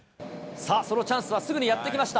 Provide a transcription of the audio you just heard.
さあ、そのチャンスはすぐにやってきました。